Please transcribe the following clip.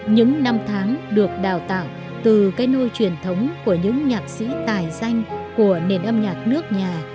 những năm tháng được đào tạo từ cái nôi truyền thống của những nhạc sĩ tài danh của nền âm nhạc nước nhà